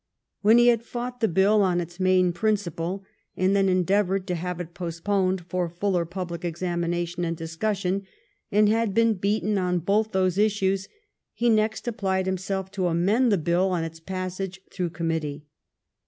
When he had fought the bill on its main principle, and then endeavored to have it postponed for fuller public examination and discussion, and had been beaten on both those issues, he next applied himself to amend the bill in its passage through committee.